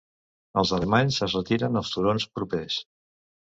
Els alemanys es retiren als turons propers.